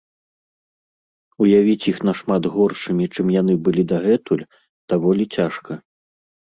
Уявіць іх нашмат горшымі, чым яны былі дагэтуль, даволі цяжка.